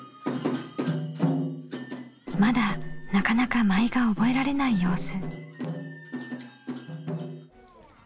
まだなかなか舞が覚えられない様子。